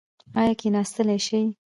ایا کیناستلی شئ؟